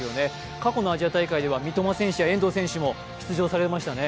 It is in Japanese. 過去のアジア大会では三笘選手や遠藤選手も出場されましたね。